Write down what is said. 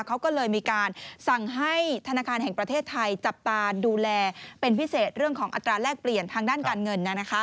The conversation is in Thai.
เขาก็เลยมีการสั่งให้ธนาคารแห่งประเทศไทยจับตาดูแลเป็นพิเศษเรื่องของอัตราแลกเปลี่ยนทางด้านการเงิน